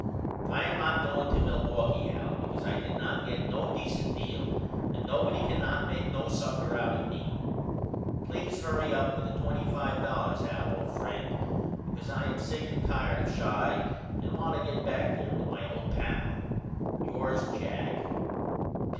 I am not going to Milwaukee Al because I did not get no decent deal and nobody cannot make no sucker out of me. Please hurry up with the $25 Al old friend because I am sick and tired of Chi and want to get back there with my old pal. Yours, JACK.